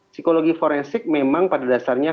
psikologi forensik memang pada dasarnya